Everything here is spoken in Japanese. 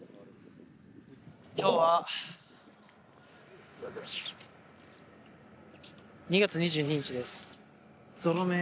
今日は２月２２日ですぞろ目。